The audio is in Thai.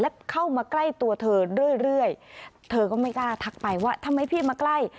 และเข้ามาใกล้ตัวเธอเรื่อยเธอก็ไม่กล้าทักไปว่าทำไมพี่มาใกล้